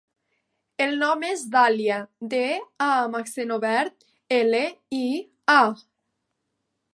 El nom és Dàlia: de, a amb accent obert, ela, i, a.